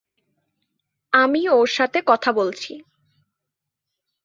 আমি ওর সাথে কথা বলছি।